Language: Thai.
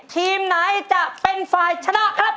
ทีมไหนจะเป็นฝ่ายชนะครับ